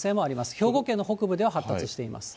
兵庫県の北部では発達しています。